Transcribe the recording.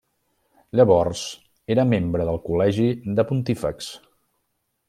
Llavors era membre del col·legi de pontífexs.